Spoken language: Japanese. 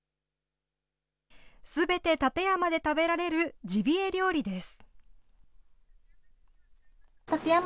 すべて館山で食べられるジビエ料理です。